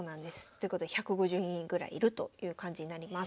ということで１５０人ぐらいいるという感じになります。